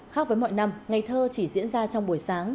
khác với mọi năm ngày thơ chỉ diễn ra trong buổi sáng